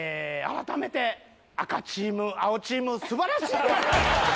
改めて赤チーム青チーム素晴らしい！